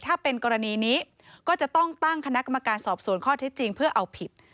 ถ้าเป็นกรณีนี้ก็จะต้องตั้งคณะกรรมการสอบสวนข้อเท็จจริงเพื่อเอาผิด